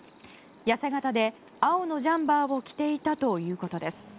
痩せ形で、青のジャンパーを着ていたということです。